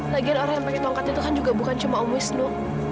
lagian orang yang pakai tongkat itu kan juga bukan cuma om wisnu